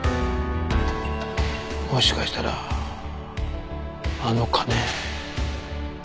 もしかしたらあの金。